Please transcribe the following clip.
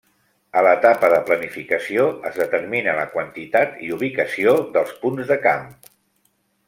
A l'etapa de planificació es determina la quantitat i ubicació dels punts de camp.